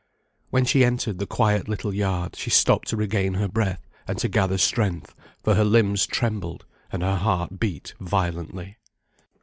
When she entered the quiet little yard she stopped to regain her breath, and to gather strength, for her limbs trembled, and her heart beat violently.